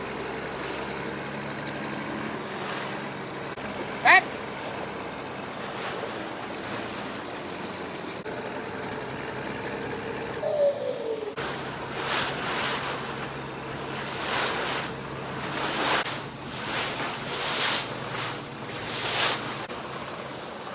สวัสดีครับคุณผู้ชาย